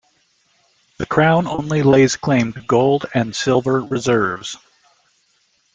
The crown only lays claim to gold and silver reserves.